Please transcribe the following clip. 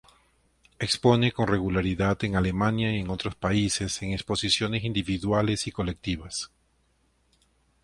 Expone con regularidad en Alemania y en otros países en exposiciones individuales y colectivas.